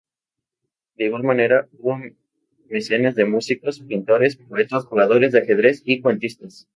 De igual manera, hubo mecenas de músicos, pintores, poetas, jugadores de ajedrez, y cuentistas.